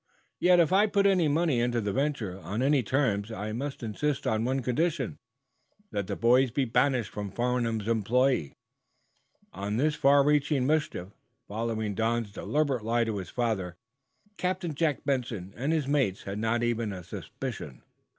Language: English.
"Yet, if I put any money into the venture, on any terms, I must insist on the one condition that the boys be banished from Farnum's employ." Of this far reaching mischief, following Don's deliberate lie to his father, Captain Jack Benson and his mates had not even a suspicion.